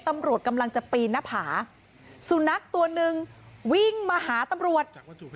ตำรวจกำลังจะปีนหน้าผาสุนัขตัวหนึ่งวิ่งมาหาตำรวจ